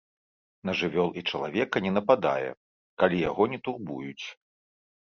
На жывёл і чалавека не нападае, калі яго не турбуюць.